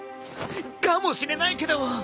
かもしれないけど。